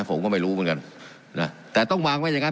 ผมก็ไม่รู้เหมือนกันนะแต่ต้องวางไว้อย่างั